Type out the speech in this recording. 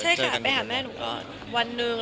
ใช่ค่ะไปหาแม่หนูก่อนวันหนึ่ง